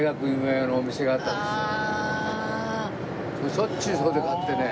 しょっちゅうそこで買ってね。